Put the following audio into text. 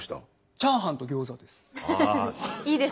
チャーハンとギョーザです。